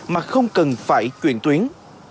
mà không cần phải chuyển tuyến